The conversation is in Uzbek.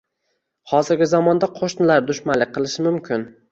Hozirgi zamonda qo`shnilar dushmanlik qilishi mumkin